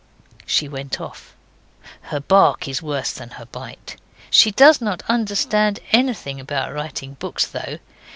She went off. Her bark is worse than her bite. She does not understand anything about writing books, though.